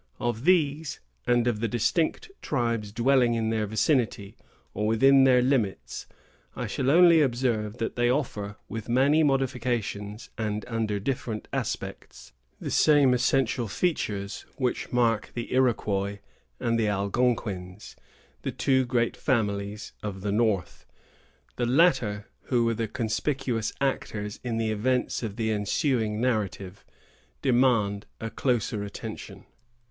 Of these, and of the distinct tribes dwelling in their vicinity, or within their limits, I shall only observe that they offer, with many modifications, and under different aspects, the same essential features which mark the Iroquois and the Algonquins, the two great families of the north. The latter, who were the conspicuous actors in the events of the ensuing narrative, demand a closer attention.